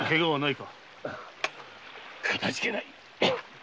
かたじけない。